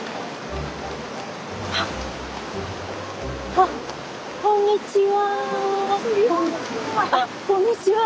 あっこんにちは。